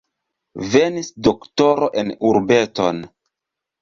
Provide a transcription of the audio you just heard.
Venis doktoro en urbeton.